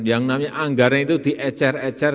yang namanya anggaran itu diecer ecer